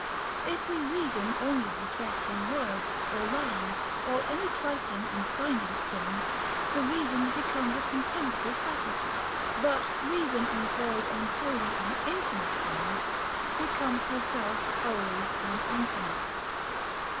If we reason only respecting words, or lines, or any trifling and finite things, the reason becomes a contemptible faculty; but reason employed on holy and infinite things, becomes herself holy and infinite.